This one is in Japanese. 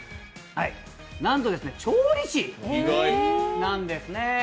なんと調理師なんですね。